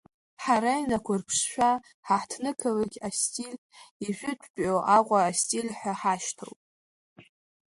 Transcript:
Ҳара инақәырԥшшәа ҳаҳҭнықалақь астиль ижәытәтәиу Аҟәа астиль ҳәа ҳашьҭоуп.